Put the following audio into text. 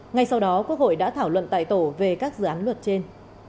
ngay sau đó quốc hội đã thảo luận tại tổ về các dự án luật trên